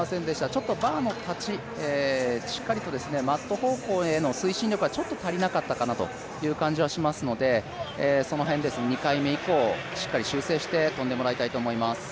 ちょっとバーの立ち、マット方向への推進力がちょっと足りなかったなという感じがしますのでその辺２回目以降、しっかり修正して跳んでもらいたいとおもいます。